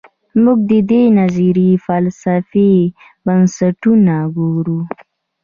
موږ د دې نظریې فلسفي بنسټونه ګورو.